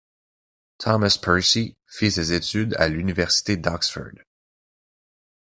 Thomas Percy fit ses études à l'université d'Oxford.